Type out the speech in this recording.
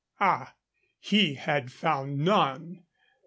Ah! he had found none.